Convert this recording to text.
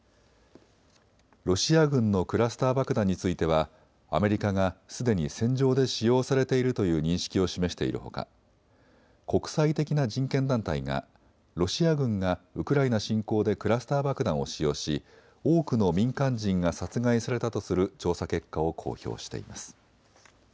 ロシア軍のクラスター爆弾についてはアメリカがすでに戦場で使用されているという認識を示しているほか、国際的な人権団体がロシア軍がウクライナ侵攻でクラスター爆弾を使用し多くの民間人が殺害されたとする調査結果を公表しています。